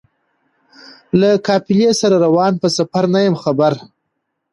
له قافلې سره روان په سفر نه یم خبر